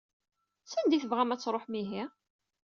Sanda i tebɣam ad tṛuḥem ihi?